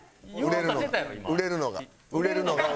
売れるのが売れるのが。